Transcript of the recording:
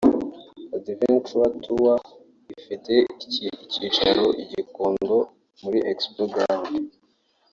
Adventure Tower ifite icyicaro i Gikondo muri Expo Ground